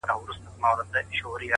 o هغه په ژړا ستغ دی چي يې هيڅ نه ژړل؛